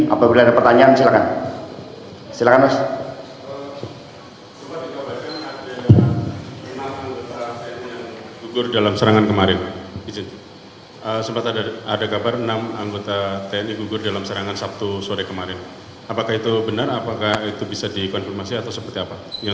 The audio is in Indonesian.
apabila ada pertanyaan silahkan